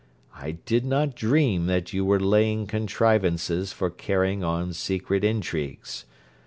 I did not dream that you were laying contrivances for carrying on secret intrigues.